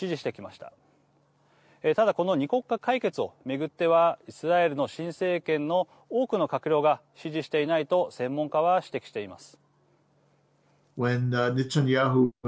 ただ、この２国家解決を巡ってはイスラエルの新政権の多くの閣僚が支持していないと専門家は指摘しています。